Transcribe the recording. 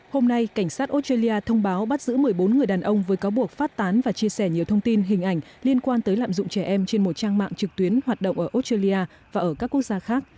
hôm nay cảnh sát australia thông báo bắt giữ một mươi bốn người đàn ông với cáo buộc phát tán và chia sẻ nhiều thông tin hình ảnh liên quan tới lạm dụng trẻ em trên một trang mạng trực tuyến hoạt động ở australia và ở các quốc gia khác